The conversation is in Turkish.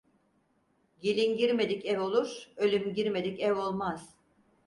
Gelin girmedik ev olur, ölüm girmedik ev olmaz.